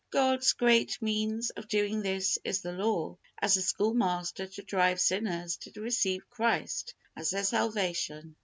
God's great means of doing this is the law, as the schoolmaster, to drive sinners to receive Christ as their salvation.